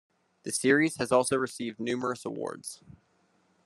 The series also has received numerous awards.